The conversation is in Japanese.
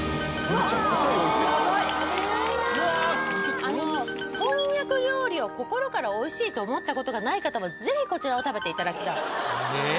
うわスッゲあのこんにゃく料理を心から美味しいと思ったことがない方も是非こちらを食べていただきたいえぇ？